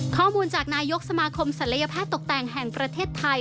ข้อมูลจากนายกสมาคมศัลยแพทย์ตกแต่งแห่งประเทศไทย